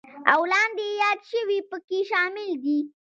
او لاندې یاد شوي پکې شامل دي: